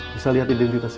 bisa lihat identitasnya